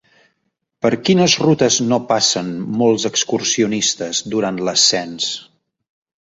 Per quines rutes no passen molts excursionistes durant l'ascens?